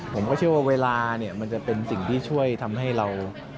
ผมก็เชื่อว่าเวลาเนี่ยมันจะเป็นสิ่งที่ช่วยทำให้เรา